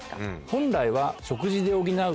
本来は。